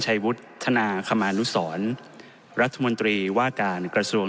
ชัยวุฒิท่านอาคมานุศรรัฐมนตรีว่าการกระสวง